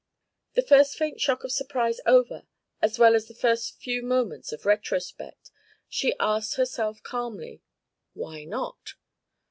The first faint shock of surprise over, as well as the few moments of retrospect, she asked herself calmly: "Why not?"